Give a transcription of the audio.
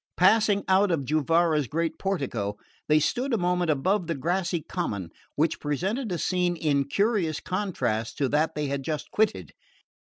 Passing out of Juvara's great portico they stood a moment above the grassy common, which presented a scene in curious contrast to that they had just quitted.